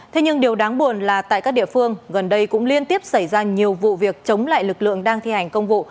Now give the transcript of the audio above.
thế nhưng điều đáng buồn là tại các địa phương gần đây cũng liên tiếp xảy ra nhiều vụ việc chống lại lực lượng đang thi hành công vụ